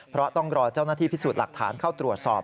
เพราะต้องรอเจ้าหน้าที่พิสูจน์หลักฐานเข้าตรวจสอบ